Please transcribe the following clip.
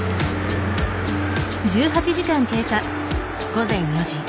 午前４時。